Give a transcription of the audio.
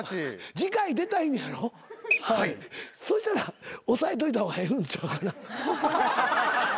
そうしたら抑えといた方がええんちゃうかな？